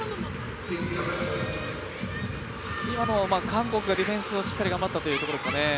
今のは、韓国がディフェンスをしっかり頑張ったというところですかね。